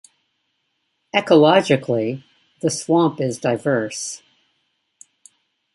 Ecologically, the swamp is diverse.